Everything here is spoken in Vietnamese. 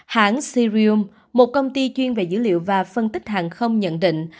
hãng sirium một công ty chuyên về dữ liệu và phân tích hàng không nhận định